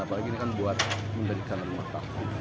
apalagi ini kan buat memberikan hormat